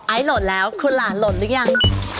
ไอล์โหลดแล้วคุณหลานโหลดหรือยัง